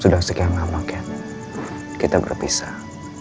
sudah sekian lama kan kita berpisah